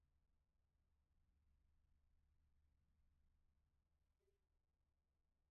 Fue siempre un modelador de suavidad sensible.